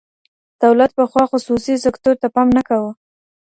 دولت پخوا خصوصي سکتور ته پام نه کاوه.